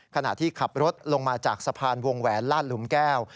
ขณะที่ขับรถลงมาจากสะพานวงแหวนลาดหลุมแก้ว